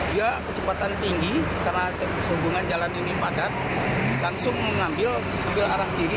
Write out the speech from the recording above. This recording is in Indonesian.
dia kecepatan tinggi karena hubungan jalan ini padat langsung mengambil arah kiri